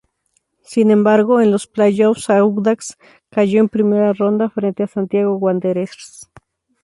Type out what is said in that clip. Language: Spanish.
Sin embargo, en los "playoffs" Audax cayó en primera ronda frente a Santiago Wanderers.